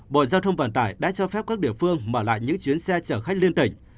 bộ giao thông vận tải đã cho phép các địa phương mở lại những chuyến xe chở khách liên tỉnh